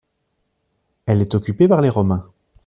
Elle est occupée par les Romains.